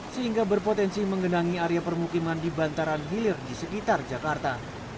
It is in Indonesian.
sehingga berpotensi menggenangi area permukiman di bantaran hilir di sekitar jakarta